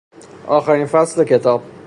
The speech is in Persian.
آخرین فصل کتاب